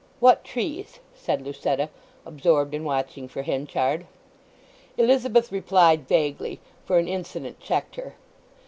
"What trees?" said Lucetta, absorbed in watching for Henchard. Elizabeth replied vaguely, for an incident checked her.